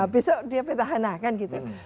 besok dia petahana kan gitu